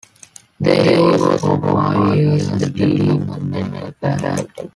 There he was for five years the dean of the medical faculty.